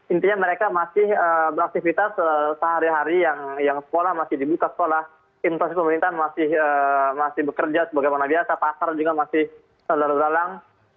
intinya mereka masih beraktivitas sehari hari yang sekolah masih dibuka sekolah infrastruktur pemerintahan masih bekerja sebagaimana biasa pasar juga masih selalu dalam